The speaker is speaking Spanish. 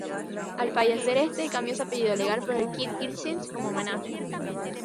Al fallecer este, cambió su apellido legal por el de Kidd-Gilchrist como homenaje.